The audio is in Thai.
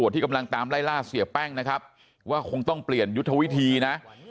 ที่กำลังตามไล่ล่าเสียแป้งนะครับว่าคงต้องเปลี่ยนยุทธวิธีนะ